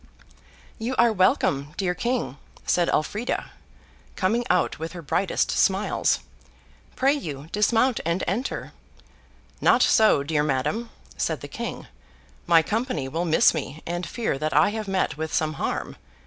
'You are welcome, dear King,' said Elfrida, coming out, with her brightest smiles. 'Pray you dismount and enter.' 'Not so, dear madam,' said the King. 'My company will miss me, and fear that I have met with some harm.